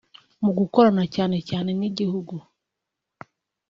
mu gukorana cyane cyane n’igihugu